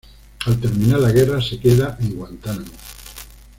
Al terminar la guerra se queda en Guantánamo.